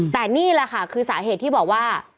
แต่นี่แหละค่ะคือสาเหตุที่บอกว่า